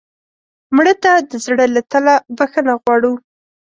مړه ته د زړه له تله بښنه غواړو